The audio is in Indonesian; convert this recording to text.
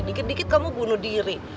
dikit dikit kamu bunuh diri